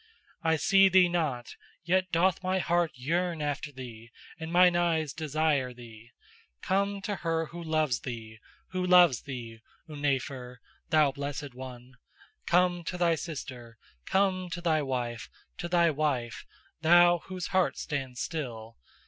... I see thee not, yet doth my heart yearn after thee and mine eyes desire thee. Come to her who loves thee, who loves thee, Unnefer, thou blessed one! Come to thy sister, come to thy wife, to thy wife, thou whose heart stands still.